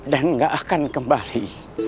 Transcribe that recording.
dan gak akan kembali